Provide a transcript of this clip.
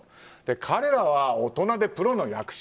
彼らは大人でプロの役者。